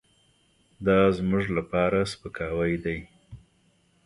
دازموږ لپاره سپکاوی دی .